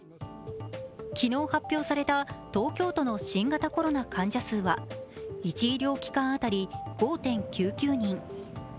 昨日発表された東京都の新型コロナの患者数は１医療機関当たり５．９９人。